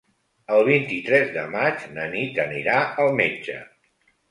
El vint-i-tres de maig na Nit anirà al metge.